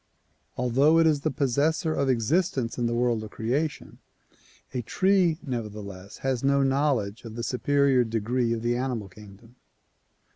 Although it is the possessor of existence in the world of creation, a tree nevertheless has no knowledge of the superior degree of the animal kingdom.